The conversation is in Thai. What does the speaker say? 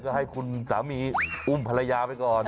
ก็ให้คุณสามีอุ้มภรรยาไปก่อน